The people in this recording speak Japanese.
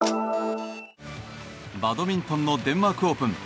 バドミントンのデンマークオープン。